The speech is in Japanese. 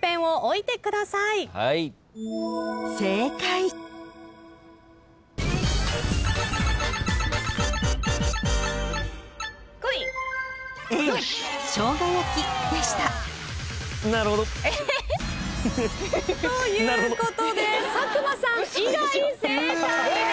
ペンを置いてください。ということで佐久間さん以外正解です。